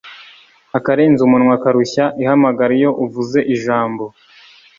akarenze umunwa karushya ihamagara iyo uvuze ijambo